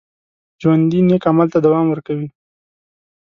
ژوندي نیک عمل ته دوام ورکوي